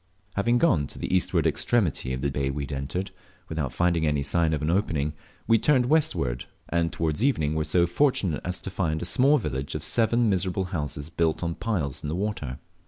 Having gone to the eastward extremity of the deep bay we had entered, without finding any sign of an opening, we turned westward; and towards evening were so fortunate as to find a small village of seven miserable houses built on piles in the water.